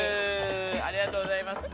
ありがとうございます。